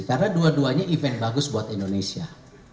karena dua duanya event bagus buat indonesia